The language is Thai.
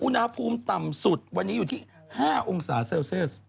อุณหภูมิต่ำสุดวันนี้อยู่ที่๕องศาเซลเซียส